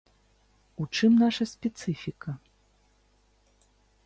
У чым наша спецыфіка?